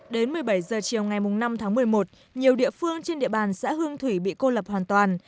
đến một mươi bảy h chiều ngày năm tháng một mươi một nhiều địa phương trên địa bàn xã hương thủy bị cô lập hoàn toàn